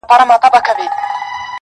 هغه نن بيا د چا د ياد گاونډى.